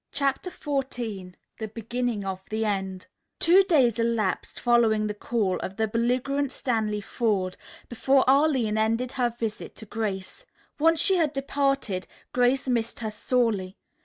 CHAPTER XIV THE BEGINNING OF THE END Two days elapsed, following the call of the belligerent Stanley Forde, before Arline ended her visit to Grace. Once she had departed, Grace missed her sorely.